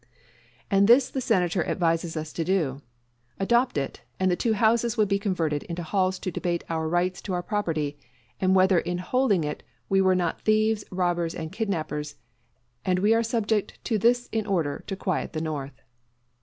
And this the Senator advises us to do. Adopt it, and the two houses would be converted into halls to debate our rights to our property, and whether, in holding it, we were not thieves, robbers, and kidnappers; and we are to submit to this in order to quiet the North!